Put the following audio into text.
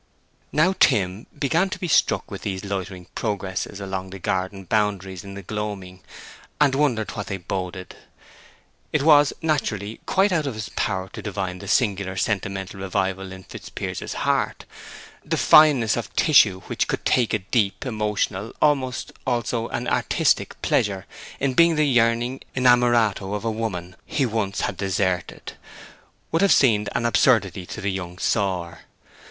Now Tim began to be struck with these loitering progresses along the garden boundaries in the gloaming, and wondered what they boded. It was, naturally, quite out of his power to divine the singular, sentimental revival in Fitzpiers's heart; the fineness of tissue which could take a deep, emotional—almost also an artistic—pleasure in being the yearning innamorato of a woman he once had deserted, would have seemed an absurdity to the young sawyer.